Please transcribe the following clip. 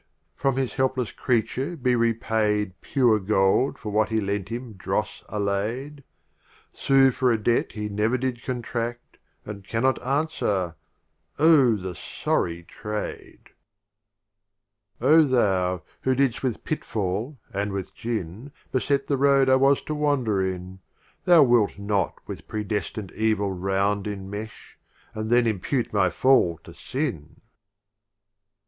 from his helpless Creature be repaid Pure Gold for what he lent him dross allay'd — Sue for a Debt he never did con tradt, And cannot answer — Oh the sorry trade ! LXXX. Oh Thou, who didst with pitfall and with gin Beset the Road I was to wander in, Thou wilt not with Predestined Evil round Enmesh, and then impute my Fall to Sin!